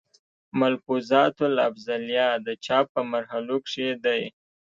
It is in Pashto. ملفوظات الافضلېه، د چاپ پۀ مرحلو کښې دی